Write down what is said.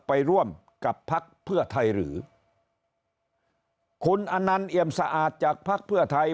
ไปร่วมกับพักเพื่อไทยหรือคุณอนันต์เอี่ยมสะอาดจากภักดิ์เพื่อไทย